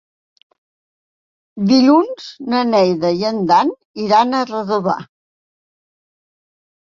Dilluns na Neida i en Dan iran a Redovà.